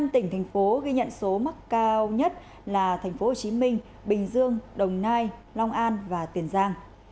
năm tỉnh thành phố ghi nhận số mắc cao nhất là tp hcm bình dương đồng nai long an và tiền giang